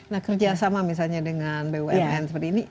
nah kerjasama misalnya dengan bumn seperti ini